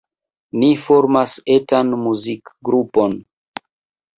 Ni formas etan muzikgrupon.